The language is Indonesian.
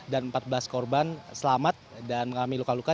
empat belas korban selamat dan mengalami luka luka